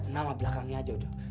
nama belakangnya aja udah